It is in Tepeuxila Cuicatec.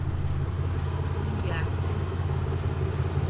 Un yaku.